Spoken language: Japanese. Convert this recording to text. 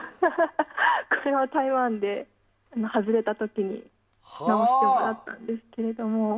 これは台湾で外れた時治してもらったんですけど。